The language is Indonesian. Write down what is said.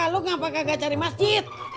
lo ngapain gak cari masjid